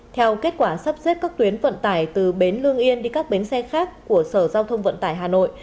theo kết quả sắp xếp các tuyến vận tải từ bến lương yên đi các bến xe khác của sở giao thông vận tải hà nội